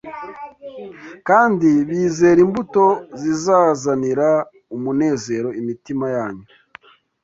kandi bizera imbuto zizazanira umunezero imitima yanyu.